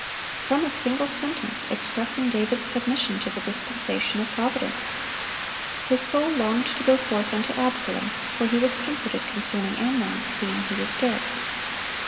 From a single sentence expressing David's submission to the dispensation of Providence. His soul "longed to go forth unto Absalom: for he was comforted concerning Amnon, seeing he was dead."